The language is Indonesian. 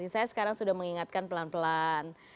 saya sekarang sudah mengingatkan pelan pelan